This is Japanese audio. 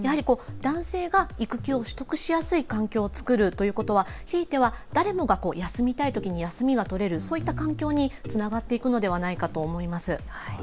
男性が育休を取得しやすい環境を作るということは、ひいては誰もが休みたいときに休みが取れる、そういった環境につながっていくのではないかと思います。